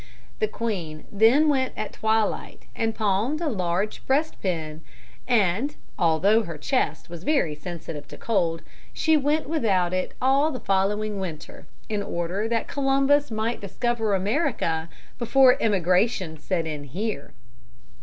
The queen then went at twilight and pawned a large breastpin, and, although her chest was very sensitive to cold, she went without it all the following winter, in order that Columbus might discover America before immigration set in here.